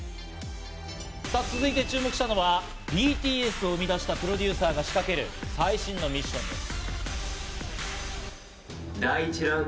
さぁ続いて注目したのはＢＴＳを生み出したプロデューサーが仕掛ける最新のミッションです。